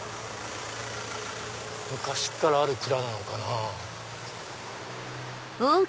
昔からある蔵なのかな。